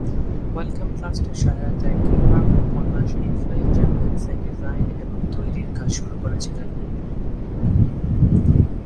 Welcome ট্রাস্টের সহায়তায় Gilbert উপন্যাস ইনফ্লুয়েঞ্জা ভ্যাকসিন ডিজাইন এবং তৈরির কাজ শুরু করেছিলেন।